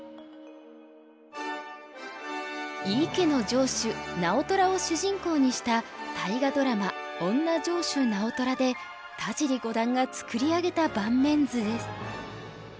井伊家の城主直虎を主人公にした大河ドラマ「おんな城主直虎」で田尻五段が作り上げた盤面図です。